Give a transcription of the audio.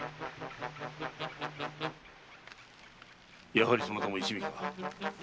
やはりそなたも一味か。